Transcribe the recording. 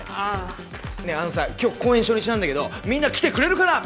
ねぇあのさ今日公演初日なんだけどみんな来てくれるかな？